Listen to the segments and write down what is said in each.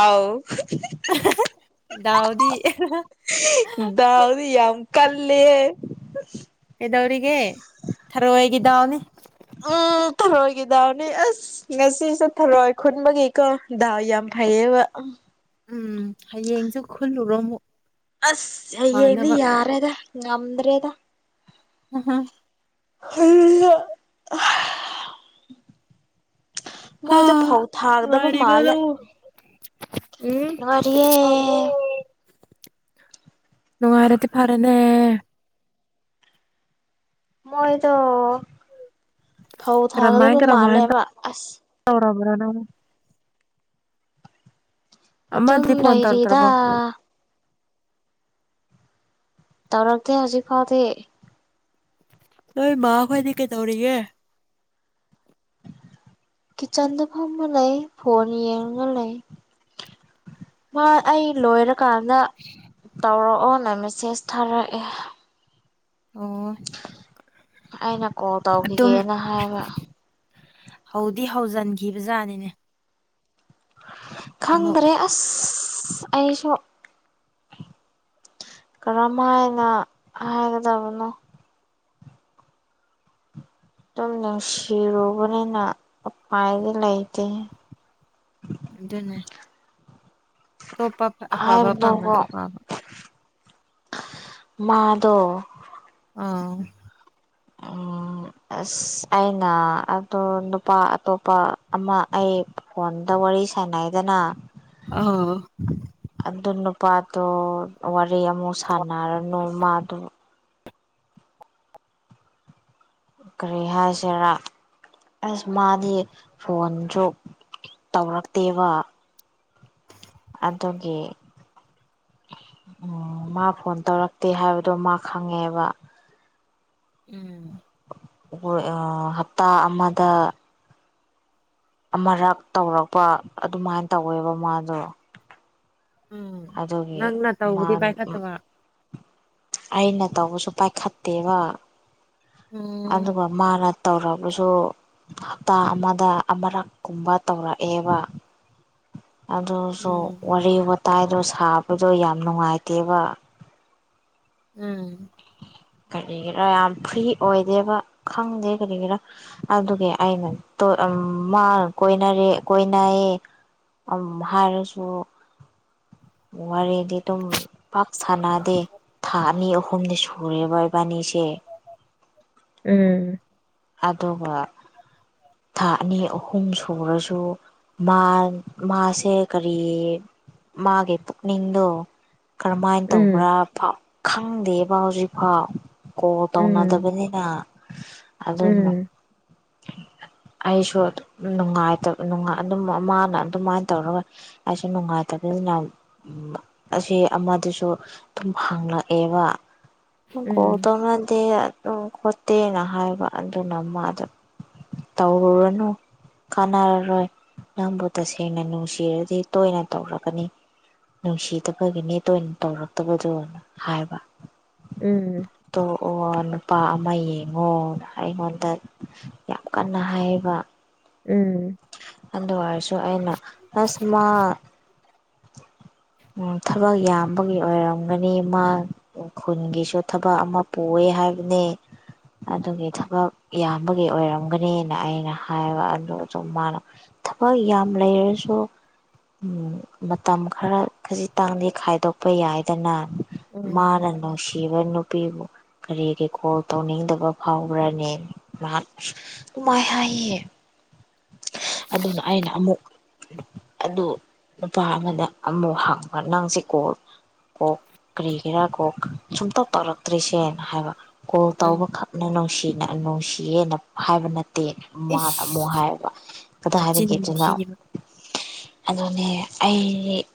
ꯑꯥꯎ ꯗꯥꯎꯗꯤ ꯗꯥꯎꯗꯤ ꯌꯥꯝ ꯀꯜꯂꯤ ꯍꯦ ꯀꯩꯗꯧꯔꯤꯒꯦ ꯊꯔꯣꯏꯒꯤꯗꯥꯎꯅꯤ ꯎꯝ ꯇꯔꯣꯒꯤ ꯗꯥꯎꯅꯤ ꯑꯁ ꯉꯁꯤꯁꯨ ꯊꯔꯣꯏ ꯈꯨꯟꯕꯒꯤꯀꯣ ꯗꯥꯎ ꯌꯥꯝ ꯐꯩꯌꯦꯕ ꯎꯝ ꯍꯌꯦꯡꯁꯨ ꯈꯨꯜꯂꯨꯔꯣ ꯑꯃꯨꯛ ꯑꯁ ꯃꯥꯅꯕ ꯌꯥꯏꯌꯦꯡꯗꯥ ꯉꯝꯗꯔꯦ ꯗ ꯎꯥ ꯍ ꯍ [unintelligible] ꯃꯣꯏꯁꯨ ꯐꯧ ꯊꯥꯗꯕ ꯅꯨꯡꯉꯥꯏꯔꯤꯕꯣ ꯃꯥꯜꯂꯦ ꯅꯪꯕꯨ ꯎꯝ ꯅꯨꯡꯉꯥꯏꯔꯤꯌꯦ ꯅꯨꯡꯉꯥꯏꯔꯗꯤ ꯐꯔꯦꯅꯦ ꯃꯣꯏꯗꯣ ꯐꯧ ꯊꯥꯒꯗꯕ ꯃꯥꯜꯂꯦꯕ ꯑꯁ ꯇꯧꯔꯕ꯭ꯔꯥ ꯅꯪ ꯑꯗꯨꯝ ꯑꯃꯗꯤ ꯐꯣꯟ ꯂꯩꯔꯤꯗ ꯇꯧꯔꯛꯇ꯭ꯔꯕꯣ ꯇꯧꯔꯛꯇꯦ ꯍꯧꯖꯤꯛ ꯐꯥꯎꯗꯤ ꯅꯣꯏ ꯃꯥ ꯈꯣꯏꯗꯤ ꯀꯩꯗꯧꯔꯤꯒꯦ ꯀꯤꯆꯥꯟꯗ ꯐꯥꯝꯃ ꯂꯩ ꯐꯣꯟ ꯌꯦꯡꯉꯥꯒ ꯂꯩ ꯃꯥ ꯑꯩ ꯂꯣꯏꯔꯀꯥꯟꯗ ꯇꯧꯔꯛꯑꯣꯅ ꯃꯦꯁꯦꯖ ꯊꯥꯔꯛꯑꯦ ꯑꯣ ꯑꯩꯅ ꯀꯣꯜ ꯑꯗꯨꯝ ꯇꯧꯈꯤꯒꯦꯅ ꯍꯥꯏꯕ ꯍꯧꯗꯤ ꯍꯧꯖꯤꯟꯈꯤꯕꯖꯥꯠꯅꯤꯅꯦ ꯑꯃꯨꯛ ꯈꯪꯗ꯭ꯔꯦ ꯑꯁ ꯑꯩꯁꯨ ꯀꯔꯝ ꯍꯥꯏꯅ ꯍꯥꯏꯒꯗꯕꯅꯣ ꯑꯗꯨꯝ ꯅꯁꯤꯔꯨꯕꯅꯦꯅ ꯎꯄꯥꯏꯗꯤ ꯂꯩꯇꯦꯍꯦ ꯑꯗꯨꯅꯦ ꯑꯇꯣꯞꯄꯥ ꯑꯐꯕ ꯍꯥꯏꯕꯗꯣꯀꯣ ꯐꯪꯉꯥꯁꯨ ꯄꯝꯕ ꯃꯥꯗꯣ ꯑꯥ ꯑꯥ ꯑꯁ ꯑꯩꯅ ꯑꯗꯣ ꯅꯨꯄꯥ ꯑꯇꯣꯞꯄ ꯑꯃ ꯑꯩ ꯐꯣꯟꯗ ꯋꯥꯔꯤ ꯁꯥꯟꯅꯩꯗꯅ ꯑꯥ ꯑꯗꯨ ꯅꯨꯄꯥꯗꯣ ꯋꯥꯔꯤ ꯑꯃꯨꯛ ꯁꯥꯟꯅꯔꯅꯨ ꯃꯥꯗꯣ ꯀꯔꯤ ꯍꯥꯏꯁꯤꯔꯥ ꯑꯁ ꯃꯥꯗꯤ ꯐꯣꯟꯁꯨ ꯇꯧꯔꯛꯇꯦꯕ ꯑꯗꯨꯒꯤ ꯑꯣ ꯃꯥ ꯐꯣꯟ ꯇꯧꯔꯛꯇꯦ ꯍꯥꯏꯕꯗꯣ ꯃꯥ ꯈꯪꯉꯦꯕ ꯎꯝ ꯑ ꯍꯞꯇꯥ ꯑꯃꯗ ꯑꯃꯔꯛ ꯇꯧꯔꯛꯄ ꯑꯗꯨꯃꯥꯏꯅ ꯇꯧꯋꯦꯕ ꯃꯥꯗꯣ ꯎꯝ ꯑꯗꯨꯒꯤ ꯅꯪꯅ ꯃꯥ ꯇꯧꯕꯗꯤ ꯄꯥꯏꯈꯠꯇꯕ ꯑꯩꯅ ꯇꯧꯕꯁꯨ ꯄꯥꯏꯈꯠꯇꯦꯕ ꯎꯝ ꯑꯗꯨꯒ ꯃꯥꯅ ꯇꯧꯔꯕꯁꯨ ꯍꯞꯇꯥ ꯑꯃꯗ ꯑꯃꯔꯛ ꯀꯨꯝꯕ ꯇꯧꯔꯛꯑꯦꯕ ꯎꯝ ꯎꯝ ꯑꯗꯨꯁꯨ ꯋꯥꯔꯤ ꯋꯥꯇꯥꯏꯗꯣ ꯁꯥꯕꯗꯣ ꯌꯥꯝ ꯅꯨꯡꯉꯥꯏꯇꯦꯕ ꯎꯝ ꯀꯔꯤꯒꯤꯔꯥ ꯌꯥꯝ ꯐ꯭ꯔꯤ ꯑꯣꯏꯗꯦꯕ ꯈꯪꯗꯦ ꯀꯔꯤꯒꯤꯔꯥ ꯑꯗꯨꯒꯤ ꯑꯩꯅ ꯇꯣꯛ ꯃꯥ ꯀꯣꯏꯅꯔꯦ ꯀꯣꯏꯅꯩꯌꯦ ꯍꯥꯏꯔꯁꯨ ꯋꯥꯔꯤꯗꯤ ꯑꯗꯨꯝ ꯄꯥꯛ ꯁꯥꯟꯅꯗꯦ ꯊꯥ ꯑꯅꯤ ꯑꯍꯨꯝꯗꯤ ꯁꯨꯔꯦꯕ ꯏꯕꯥꯟꯅꯤꯁꯦ ꯎꯝ ꯑꯗꯨꯒ ꯊꯥ ꯑꯅꯤ ꯑꯍꯨꯝ ꯁꯨꯔꯁꯨ ꯃꯥ ꯃꯥꯁꯦ ꯀꯔꯤ ꯃꯥꯒꯤ ꯄꯨꯛꯅꯤꯡꯗꯣ ꯀꯔꯝ ꯍꯥꯏꯅ ꯎꯝ ꯇꯧꯕ꯭ꯔꯥꯥꯎ ꯈꯪꯗꯦꯕ ꯍꯧꯖꯤꯛꯐꯥꯎ ꯀꯣꯟ ꯎꯝ ꯇꯧꯅꯗꯕꯅꯤꯅ ꯑꯗꯨꯅ ꯎꯝ ꯑꯩꯁꯨ ꯑꯗꯨꯝ ꯅꯨꯡꯉꯥꯏꯇꯕ ꯑꯗꯨꯝ ꯃꯥꯅ ꯑꯗꯨꯃꯥꯏꯅ ꯇꯧꯔꯒ ꯑꯁ ꯃꯉ ꯑ [inaudible] ꯑꯁꯤ ꯑꯃꯗꯨꯁꯨ ꯑꯗꯨꯝ ꯍꯪꯂꯛꯑꯦꯕ ꯀꯣꯟ ꯎꯝ ꯇꯧꯔꯛꯑꯗꯤ ꯑꯗꯨꯝ ꯈꯣꯠꯇꯦꯅ ꯍꯥꯏꯕ ꯑꯗꯨꯅ ꯃꯥꯗꯣ ꯇꯧꯂꯨꯔꯅꯨ ꯀꯥꯟꯅꯔꯔꯣꯏ ꯅꯪꯕꯨ ꯇꯁꯦꯡꯅ ꯅꯨꯡꯁꯤꯔꯗꯤ ꯇꯣꯏꯅ ꯇꯧꯔꯒꯅꯤ ꯅꯨꯡꯁꯤꯗꯕꯒꯤꯅꯦ ꯇꯣꯏꯅ ꯇꯧꯔꯛꯇꯕꯗꯣꯅ ꯍꯥꯏꯕ ꯎꯝ ꯇꯣꯛꯑꯣ ꯅꯨꯄꯥ ꯑꯃ ꯌꯦꯡꯉꯣ ꯑꯩꯉꯣꯟꯗ ꯌꯥꯝ ꯀꯟꯅ ꯍꯥꯏꯌꯦꯕ ꯎꯝ ꯑꯗꯨ ꯑꯣꯏꯔꯁꯨ ꯑꯩꯅ ꯑꯁ ꯃꯥ [inaudible] ꯊꯕꯛ ꯌꯥꯝꯕꯒꯤ ꯑꯣꯏꯔꯝꯒꯅꯤ ꯃꯥ ꯈꯨꯟꯒꯤꯁꯨ ꯊꯕꯛ ꯑꯃ ꯄꯨꯑꯦ ꯍꯥꯏꯕꯅꯦ ꯑꯗꯨꯒꯤ ꯊꯕꯛ ꯌꯥꯝꯕꯒꯤ ꯑꯣꯏꯔꯝꯒꯅꯦꯅ ꯑꯩꯅ ꯍꯥꯏꯕ ꯑꯗꯨ ꯑꯗꯨ ꯃꯥꯅ ꯊꯕꯛ ꯌꯥꯝ ꯂꯩꯔꯁꯨ ꯎꯝ ꯃꯇꯝ ꯈꯔ ꯈꯥꯖꯤꯛꯇꯪꯗꯤ ꯈꯥꯏꯗꯣꯛꯄ ꯌꯥꯏꯗꯅ ꯃꯥꯅ ꯎꯝ ꯅꯨꯡꯁꯤ ꯅꯨꯡꯁꯤꯕ ꯅꯨꯄꯤꯕꯨ ꯀꯔꯤꯒꯤ ꯀꯣꯜ ꯇꯧꯅꯤꯡꯗꯕ ꯐꯥꯎꯕ꯭ꯔꯅꯦ ꯃꯥꯏ ꯍꯥꯏꯌꯦ ꯑꯗꯨꯅ ꯑꯩꯅ ꯑꯃꯨꯛ ꯑꯗꯨ ꯅꯨꯄꯥ ꯑꯃꯗ ꯑꯃꯨꯛ ꯍꯪꯕ ꯅꯪꯁꯦ ꯀꯣꯜ ꯀꯣꯛ ꯀꯔꯤꯒꯤꯔꯥ ꯀꯣꯛ ꯁꯨꯡꯇꯧ ꯇꯧꯔꯛꯇ꯭ꯔꯤꯁꯦꯅ ꯍꯥꯏꯕ ꯀꯣꯜ ꯎꯝ ꯇꯧꯕꯈꯛꯅ ꯅꯨꯡꯁꯤꯅ ꯅꯨꯡꯁꯤꯌꯦꯅ ꯍꯥꯏꯕ ꯅꯠꯇꯦ ꯃꯥꯅ ꯑꯃꯨꯛ ꯏꯁ ꯍꯥꯏꯌꯦꯕ ꯀꯗꯥꯏꯗꯒꯤ ꯃꯆꯤꯟ ꯊꯤꯕ [unintelligible] ꯑꯗꯨꯅꯦ ꯑꯩ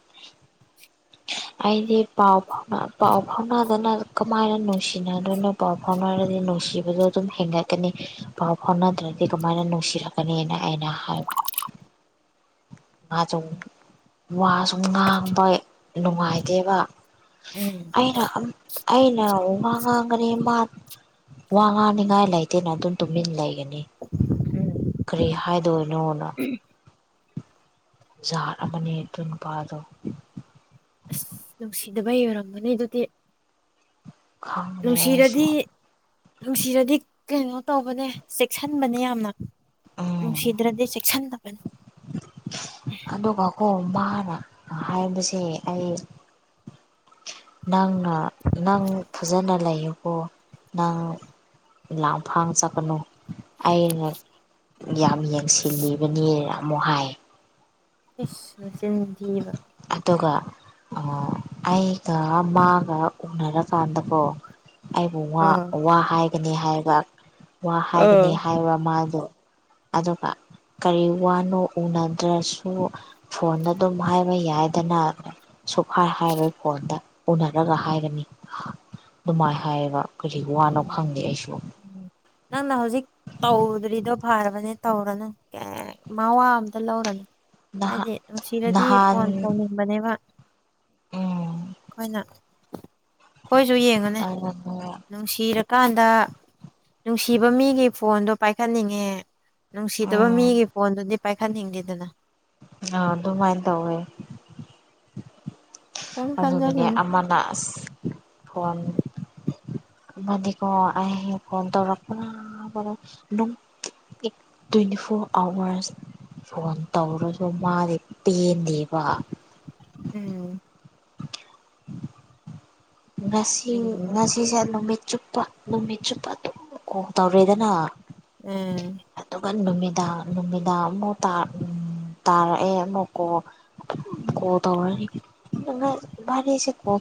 [inaudible] ꯑꯩꯗꯤ ꯄꯥꯎ ꯐꯥꯎꯅ ꯄꯥꯎ ꯐꯥꯎꯅꯗꯅ ꯀꯃꯥꯏꯅ ꯅꯨꯡꯁꯤꯅꯗꯣꯏꯅꯣ ꯄꯥꯎ ꯐꯥꯎꯅꯔꯗꯤ ꯅꯨꯡꯁꯤꯕꯗꯣ ꯑꯗꯨꯝ ꯍꯦꯟꯒꯠꯀꯅꯤ ꯄꯥꯎ ꯐꯥꯎꯅꯗ꯭ꯔꯗꯤ ꯀꯃꯥꯏꯅ ꯅꯨꯡꯁꯤꯔꯛꯀꯅꯤꯅ ꯑꯩꯅꯥ ꯍꯥꯏꯕ ꯃꯥꯖꯨ ꯋꯥꯁꯨ ꯉꯥꯡꯕ ꯅꯨꯡꯉꯥꯏꯇꯦꯕ ꯎꯝ ꯑꯩꯅ ꯑꯩꯅ ꯋꯥ ꯉꯥꯡꯒꯅꯤ ꯃꯥ ꯋꯥ ꯉꯥꯡꯅꯤꯡꯉꯥꯏ ꯂꯩꯇꯦꯅ ꯑꯗꯨꯝ ꯇꯨꯃꯤꯟ ꯂꯩꯒꯅꯤ ꯀꯔꯤ ꯍꯥꯏꯗꯣꯏꯅꯣꯅ ꯖꯠ ꯑꯃꯅꯦ ꯑꯗꯨ ꯅꯨꯄꯥꯗꯣ ꯑꯁ ꯅꯨꯡꯁꯤꯗꯕꯩ ꯑꯣꯏꯔꯝꯒꯅꯤ ꯑꯗꯨꯗꯤ ꯈꯪꯗ꯭ꯔꯦ ꯑꯩꯁꯨ ꯅꯨꯡꯁꯤꯔꯗꯤ ꯅꯨꯡꯁꯤꯔꯗꯤ ꯀꯩꯅꯣ ꯇꯧꯕꯅꯦ ꯆꯦꯛꯁꯟꯕꯅꯦ ꯌꯥꯝꯅ ꯎꯝ ꯅꯨꯡꯁꯤꯗ꯭ꯔꯗꯤ ꯆꯦꯛꯁꯟꯗꯕꯅꯦ ꯑꯗꯨꯒꯀꯣ ꯃꯥꯅ ꯍꯥꯏꯕꯁꯦ ꯑꯩ ꯅꯪꯅ ꯅꯪ ꯐꯖꯟꯅ ꯂꯩꯏꯌꯨꯀꯣ ꯅꯪ ꯂꯥꯡꯐꯥꯡ ꯆꯠꯀꯅꯨ ꯑꯩꯅ ꯌꯥꯝ ꯌꯦꯡꯁꯤꯜꯂꯤꯕꯅꯤꯅ ꯑꯃꯨꯛ ꯍꯥꯏ ꯏꯁ ꯃꯆꯤꯟ ꯊꯤꯕ ꯑꯗꯨꯒ ꯑꯩꯒ ꯃꯥꯒ ꯎꯅꯔꯀꯥꯟꯗꯀꯣ ꯑꯩꯕꯨ ꯑꯥ ꯋꯥ ꯍꯥꯏꯒꯅꯤ ꯍꯥꯏꯕ ꯋꯥ ꯑꯥ ꯍꯥꯏꯒꯅꯤ ꯍꯥꯏꯕ ꯃꯥꯗꯣ ꯑꯗꯨꯒ ꯀꯔꯤ ꯋꯥꯅꯣ ꯎꯅꯗ꯭ꯔꯁꯨ ꯐꯣꯟꯗ ꯑꯗꯨꯝ ꯍꯥꯏ ꯌꯥꯏꯗꯅ ꯁꯨꯍꯥꯏ ꯍꯥꯏꯔꯣꯏ ꯐꯣꯟꯗ ꯎꯅꯔꯒ ꯍꯥꯏꯒꯅꯤ ꯗꯨꯃꯥꯏ ꯍꯥꯏꯌꯦꯕ ꯀꯔꯤ ꯋꯥꯅꯣ ꯎꯝ ꯈꯪꯗꯦ ꯑꯩꯁꯨ ꯅꯪꯅ ꯍꯧꯖꯤꯛ ꯇꯧꯗ꯭ꯔꯤꯗꯣ ꯐꯔꯕꯅꯦ ꯇꯧꯔꯅꯨ ꯀꯥꯌꯦ ꯃꯋꯥ ꯑꯝꯇ ꯂꯧꯔꯅꯨ ꯅꯍꯥꯟ ꯍꯥꯏꯗꯤ ꯅꯨꯡꯁꯤꯔꯗꯤ ꯅꯍꯥꯟ ꯐꯣꯟ ꯇꯧꯅꯤꯡ ꯕꯅꯦꯕ ꯎꯝ ꯑꯩꯈꯣꯏꯅ ꯈꯣꯏꯁꯨ ꯌꯦꯡꯉꯣꯅꯦ [unintelligible] ꯅꯨꯡꯁꯤꯔꯀꯥꯟꯗ ꯅꯨꯡꯁꯤꯕ ꯃꯤꯒꯤ ꯐꯣꯟꯗꯣ ꯄꯥꯏꯈꯠꯅꯤꯡꯉꯦ ꯅꯨꯡꯁꯤꯗꯕ ꯎꯝ ꯃꯤꯒꯤ ꯐꯣꯟꯗꯨꯗꯤ ꯄꯥꯏꯈꯠꯅꯤꯡꯗꯦꯗꯅ ꯑ ꯑꯗꯨꯃꯥꯏꯅ ꯇꯧꯋꯦ ꯀꯔꯤꯝ ꯑꯗꯨꯒꯅꯦ ꯈꯟꯖꯜꯂꯨꯅꯨ ꯑꯃꯅ ꯑꯁ ꯐꯣꯟ ꯃꯥꯗꯤꯀꯣ ꯑꯍꯤꯡ phone ꯇꯧꯔꯛꯄꯅ [unintelligible] twenty four hours phone ꯇꯧꯔꯁꯨ ꯃꯥꯗꯤ ꯄꯦꯟꯗꯦꯕ ꯎꯝ ꯉꯁꯤ ꯎꯝ ꯉꯁꯤ ꯁꯤꯁꯦ ꯅꯨꯃꯤꯠ ꯆꯨꯞꯄ ꯅꯨꯃꯤꯠ ꯆꯨꯞꯄ ꯑꯗꯨꯝ ꯀꯣꯜ ꯇꯧꯔꯦꯗꯅ ꯎꯝ ꯑꯗꯨꯒ ꯅꯨꯃꯤꯗꯥꯡ ꯅꯨꯃꯤꯗꯥꯡ ꯑꯃꯨꯛ ꯇꯥ ꯇꯥꯔꯛꯑꯦ ꯑꯃꯨꯛꯀꯣ ꯀꯣꯜ ꯇꯧꯔꯅꯤ [unintelligible] ꯀꯣꯜ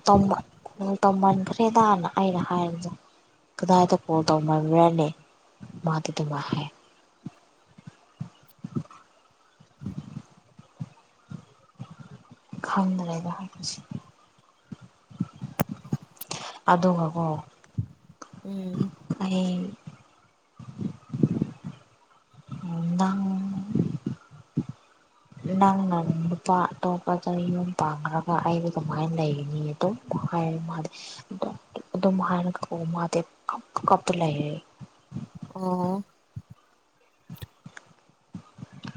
ꯇꯧꯃꯟꯈ꯭ꯔꯦꯗꯥꯅ ꯑꯩꯅ ꯍꯥꯏꯕꯗ ꯀꯗꯥꯏꯗ ꯀꯣꯜ ꯇꯧꯃꯟꯕ꯭ꯔꯥꯅꯦ ꯃꯥꯗꯤ ꯗꯨꯃꯥꯢ ꯍꯥꯏ ꯈꯪꯗ꯭ꯔꯦꯗ ꯑꯗꯨꯒꯀꯣ ꯎꯝ [unintelligible] ꯅꯪ ꯅꯪꯅ ꯅꯨꯄꯥ ꯑꯇꯣꯞꯄꯗ ꯌꯨꯝ ꯄꯥꯡꯈ꯭ꯔꯒ ꯑꯩꯗꯤ ꯀꯃꯥꯏꯅ ꯂꯩꯅꯤ ꯑꯗꯨꯝ ꯍꯥꯏ ꯃꯥ ꯑꯗꯨꯝ ꯍꯥꯏꯅ ꯃꯥꯗꯤ ꯀꯞ ꯀꯞꯇ ꯂꯩꯔ ꯑꯣ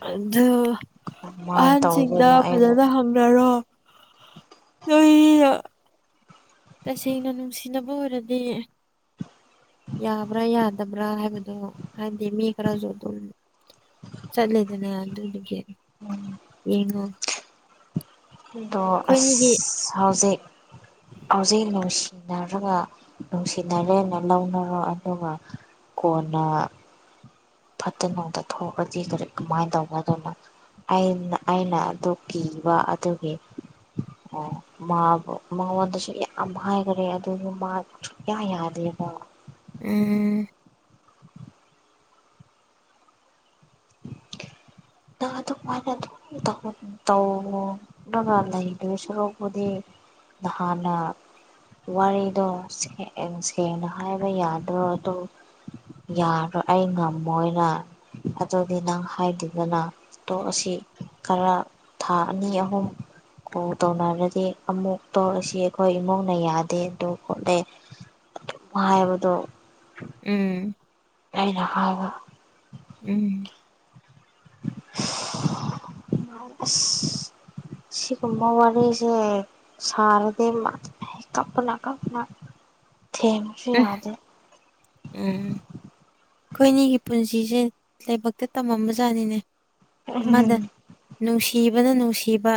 ꯑꯗꯨ ꯑꯗꯨꯃꯥꯏꯅ ꯑꯍꯟꯁꯤꯡꯗ ꯇꯧꯗꯣꯏꯅ ꯑꯩꯕꯨ ꯐꯖꯅ ꯍꯪꯅꯔꯣ [unintelligible] ꯇꯁꯦꯡꯅ ꯅꯨꯡꯁꯤꯅꯕ ꯑꯣꯏꯔꯗꯤ ꯌꯥꯕ꯭ꯔꯥ ꯌꯥꯗꯕ꯭ꯔꯥ ꯍꯥꯏꯕꯗꯨ ꯍꯥꯏꯗꯤ ꯃꯤ ꯈꯔꯁꯨ ꯑꯗꯨꯝ ꯆꯠꯂꯦꯗꯅ ꯑꯗꯨꯗꯨꯒꯤ ꯌꯦꯡꯑꯣ ꯑꯩꯗꯣ ꯑꯩꯈꯣꯏꯅꯤꯒꯤ ꯑꯁ ꯍꯧꯖꯤꯛ ꯍꯧꯖꯤꯛ ꯅꯨꯡꯁꯤꯅꯔꯒ ꯅꯨꯡꯁꯤꯅꯔꯦꯅ ꯂꯧꯅꯔꯣ ꯑꯗꯨꯒ ꯀꯣꯟꯅ ꯐꯠꯇꯅꯨꯡꯗ ꯊꯣꯛꯑꯒꯗꯤ ꯀꯔꯤ ꯀꯃꯥꯏꯅ ꯇꯧꯒꯗꯧꯕ ꯑꯩꯅ ꯑꯩꯅ ꯑꯗꯨ ꯀꯤꯕ ꯑꯗꯨꯒꯤ ꯑꯣ ꯃꯥꯕꯨ ꯃꯉꯣꯟꯗꯁꯨ ꯌꯥꯝ ꯍꯥꯏꯈꯔꯦ ꯑꯗꯨꯕꯨ ꯃꯥ ꯁꯨꯛꯌꯥ ꯌꯥꯗꯦꯕ ꯎꯝ [inaudible] ꯅꯪ ꯑꯗꯨ ꯃꯥꯏꯅ ꯑꯗꯨꯝ ꯇꯧꯔꯒ ꯂꯩꯗꯣꯢ ꯁꯔꯨꯛꯄꯨꯗꯤ ꯅꯍꯥꯟꯅ ꯋꯥꯔꯤꯗꯣ ꯁꯦꯡ ꯁꯦꯡꯅ ꯍꯥꯏꯕ ꯌꯥꯗ꯭ꯔꯣ ꯑꯗꯨꯝ ꯌꯥꯔꯣꯏ ꯑꯩ ꯉꯝꯃꯣꯏꯅ ꯑꯗꯨꯗꯤ ꯅꯪ ꯍꯥꯏꯗꯤ ꯗꯅ ꯇꯣꯛꯑꯁꯤ ꯈꯔ ꯊꯥ ꯑꯅꯤ ꯑꯍꯨꯝ ꯀꯣꯜ ꯇꯧꯅꯔꯗꯤ ꯑꯃꯨꯛ ꯇꯣꯛꯂꯁꯤ ꯑꯩꯈꯣꯏ ꯏꯃꯨꯡꯅ ꯌꯥꯗꯦ ꯑꯗꯨ ꯈꯣꯠꯂꯦ [inaudible] ꯍꯥꯏꯕꯗꯣ ꯎꯝ ꯑꯩꯅ ꯍꯥꯏꯕ ꯎꯝ [inaudible] ꯑꯁ ꯁꯤꯒꯨꯝꯕ ꯋꯥꯔꯤꯁꯦ ꯁꯥꯔꯗꯤ ꯀꯞꯄꯅꯥ ꯀꯞꯄꯅꯥ ꯊꯦꯝ ꯎꯝ ꯎꯝ ꯑꯩꯈꯣꯏꯅꯤꯒꯤ ꯄꯨꯟꯁꯤꯁꯦ ꯂꯥꯏꯕꯛꯇ ꯇꯝꯃꯝꯕꯖꯥꯠꯅꯤꯅꯦ ꯑꯃꯗ ꯅꯨꯡꯁꯤꯕꯅ ꯅꯨꯡꯁꯤꯕ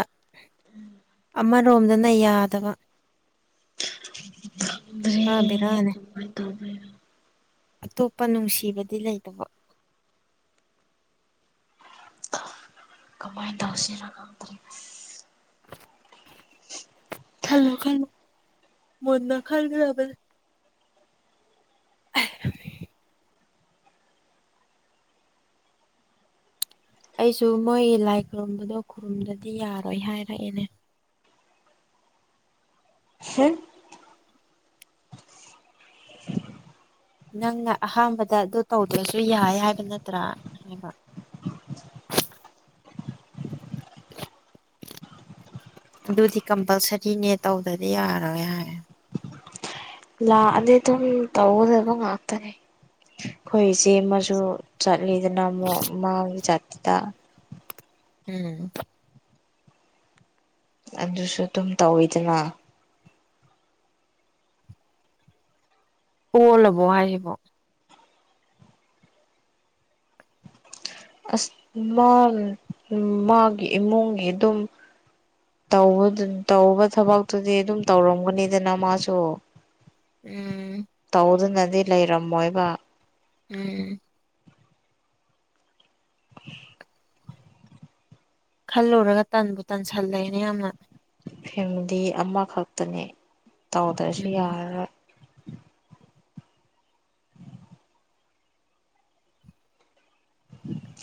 [inaudible] ꯑꯃꯔꯣꯝꯗꯅ ꯌꯥꯗꯕ ꯍꯥꯥꯕꯤꯔꯥꯅꯦ ꯀꯃꯥꯏꯅ ꯇꯧꯗꯣꯏꯅꯣ ꯑꯇꯣꯞꯄ ꯅꯨꯡꯁꯤꯕꯗꯤ ꯂꯩꯇꯕ ꯀꯃꯥꯏꯇꯧꯁꯤꯔ ꯈꯜꯂꯨ ꯈꯜꯂꯨ ꯃꯨꯟꯅ ꯈꯜꯂꯒ ꯑꯩꯁꯨ ꯃꯣꯏꯒꯤ ꯂꯥꯏ ꯈꯨꯔꯨꯝꯕꯗꯣ ꯈꯨꯔꯨꯝꯗꯗꯤ ꯌꯥꯔꯣꯏ ꯍꯥꯏꯔꯛꯑꯦꯅꯦ ꯍꯨꯝ [inaudible] ꯅꯪꯅ ꯑꯍꯥꯟꯕꯗ ꯑꯗꯨ ꯇꯧꯗ꯭ꯔꯁꯨ ꯌꯥꯏ ꯍꯥꯏꯕ ꯅꯠꯇ꯭ꯔꯥ ꯍꯥꯏꯕ [inaudible] ꯑꯗꯨꯗꯤ ꯀꯝꯄꯜꯁꯔꯤꯅꯦ ꯇꯧꯗꯗꯤ ꯌꯥꯔꯣꯏ ꯍꯥꯏ ꯂꯥꯛꯑꯗꯤ ꯑꯗꯨꯝ ꯇꯧꯒꯗꯕ ꯉꯥꯛꯇꯅꯦ ꯑꯩꯈꯣꯏ ꯏꯆꯦ ꯑꯃꯁꯨ ꯆꯠꯂꯤꯗ ꯑꯃꯨꯛ ꯃꯥꯎ ꯖꯥꯇꯤꯗ ꯎꯝ ꯑꯗꯨꯁꯨ ꯑꯗꯨꯝ ꯇꯧꯋꯤꯗꯅ ꯑꯣꯜꯂꯕꯣ ꯍꯥꯏꯁꯤꯕꯣ ꯑꯁ ꯃꯥ ꯃꯥꯒꯤ ꯏꯃꯨꯡꯒꯤ ꯑꯗꯨꯝ ꯇꯧꯕ ꯊꯕꯛꯇꯨꯗꯤ ꯑꯗꯨꯝ ꯇꯧꯔꯝꯒꯅꯤꯗꯅ ꯃꯥꯁꯨ ꯎꯝ ꯇꯧꯗꯨꯅꯗꯤ ꯂꯩꯔꯝꯃꯣꯏꯕ ꯎꯝ [inaudible] ꯈꯜꯂꯨꯔꯒ ꯇꯟꯕꯨ ꯇꯟꯁꯜꯂꯦꯅ ꯌꯥꯝꯅ ꯐꯦꯃꯤꯂꯤ ꯑꯃꯈꯛꯇꯅꯦ ꯇꯥꯎꯗ꯭ꯔꯁꯨ ꯎꯝ ꯌꯥꯔꯣꯏ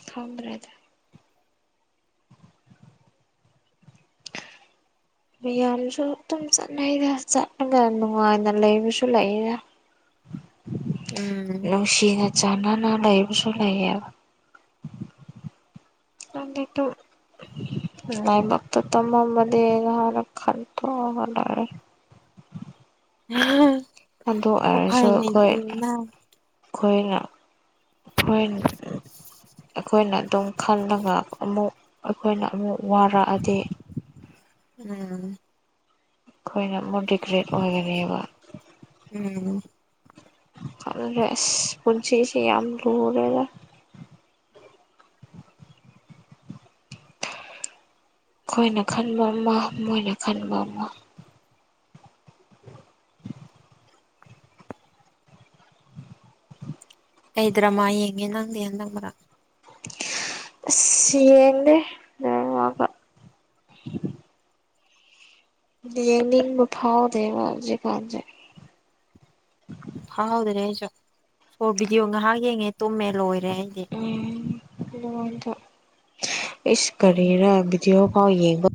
ꯈꯪꯗꯔꯦꯗ ꯃꯤꯌꯥꯝꯁꯨ ꯑꯗꯨꯝ ꯆꯠꯅꯩꯔ ꯆꯠꯅꯒ ꯅꯨꯡꯉꯥꯏꯗꯅ ꯂꯩꯕꯁꯨ ꯂꯩꯔꯦ ꯎꯝ ꯁꯤꯅ ꯆꯥꯟꯅꯅ ꯂꯩꯕꯁꯨ ꯂꯩꯌꯦꯕ [unintelligible] ꯂꯥꯏꯕꯛꯇ ꯇꯃꯝꯕꯅꯤꯅ ꯈꯟꯇꯣꯛꯑꯒ ꯂꯣꯏꯔꯦ [unintelligible] ꯑꯗꯨ ꯎꯐꯥꯏ ꯑꯣꯏꯔꯁꯨ ꯑꯩꯈꯣꯏ ꯂꯩꯇꯦꯅ ꯑꯩꯈꯣꯏꯅ ꯑꯩꯈꯣꯏ ꯑꯩꯈꯣꯏꯅ ꯑꯗꯨꯝ ꯈꯜꯂꯒ ꯑꯃꯨꯛ ꯑꯩꯈꯣꯏꯅ ꯑꯃꯨꯛ ꯋꯥꯔꯛꯑꯗꯤ ꯎꯝ ꯑꯩꯈꯣꯏꯅ ꯑꯃꯨꯛ ꯔꯤꯒ꯭ꯔꯦꯠ ꯑꯣꯏꯔꯅꯤꯌꯦꯕ ꯎꯝ ꯈꯪꯗꯦ ꯄꯨꯟꯁꯤꯁꯤ ꯌꯥꯝ ꯂꯨꯔꯦꯗ ꯑꯩꯈꯣꯏꯅ ꯈꯟꯕ ꯑꯃ ꯃꯣꯏꯅ ꯈꯟꯕ ꯑꯃ [inaudible] ꯑꯩꯗ꯭ꯔꯃꯥ ꯌꯦꯡꯉꯦ ꯅꯪꯗꯤ ꯍꯟ ꯅꯪꯕ꯭ꯔꯥ ꯑꯁ ꯌꯦꯡꯗꯦ ꯗꯔꯃꯥꯒ ꯌꯦꯡꯅꯤꯡꯕ ꯐꯥꯎꯗꯦꯕ ꯍꯧꯖꯤꯜꯀꯥꯟꯖꯦ ꯐꯥꯎꯗ꯭ꯔꯦ ꯑꯩꯁꯨ ꯁꯣꯔꯠ ꯚꯤꯗꯤꯑꯣ ꯉꯥꯏꯍꯥꯛ ꯌꯦꯡꯉꯦ ꯇꯨꯝꯃꯦ ꯂꯣꯏꯔꯦ ꯑꯩꯗꯤ [unintelligible] ꯏꯁ ꯎꯝ ꯀꯔꯤꯔ ꯚꯤꯗꯤꯑꯣ ꯐꯥꯎ ꯌꯦꯡꯕ